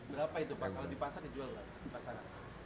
berapa itu pak kalau di pasar dijual